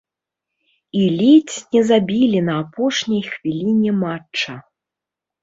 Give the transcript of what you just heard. І ледзь не забілі не апошняй хвіліне матча.